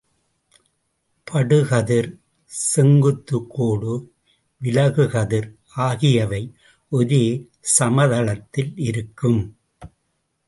படுகதிர், செங்குத்துக்கோடு, விலகுகதிர் ஆகியவை ஒரே சமதளத்தில் இருக்கும்.